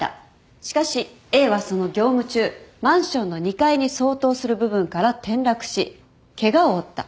しかしＡはその業務中マンションの２階に相当する部分から転落しケガを負った。